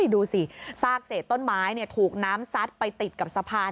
ดูสิซากเศษต้นไม้ถูกน้ำซัดไปติดกับสะพาน